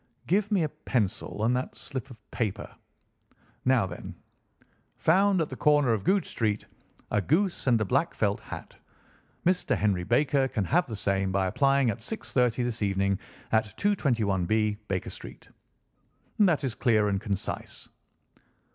"Give me a pencil and that slip of paper. Now, then: 'Found at the corner of Goodge Street, a goose and a black felt hat. Mr. Henry Baker can have the same by applying at 6:30 this evening at 221B, Baker Street.' That is clear and concise."